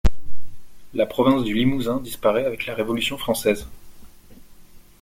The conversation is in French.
La province du Limousin disparaît avec la Révolution française.